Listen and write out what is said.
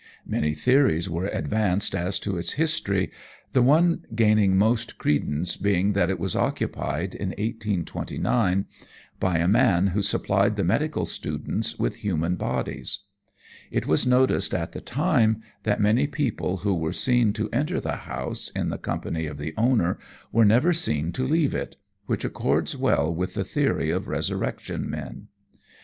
Many theories were advanced as to its history, the one gaining most credence being that it was occupied, in 1829, by a man who supplied the medical students with human bodies. It was noticed at the time that many people who were seen to enter the house in the company of the owner were never seen to leave it, which accords well with the theory of resurrection men.